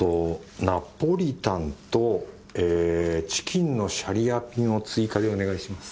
ナポリタンとえチキンのシャリアピンを追加でお願いします。